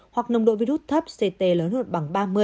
hoặc nồng độ virus thấp ct lớn hơn bằng ba mươi